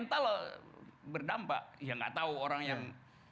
kalau berdampak ya nggak tahu orang yang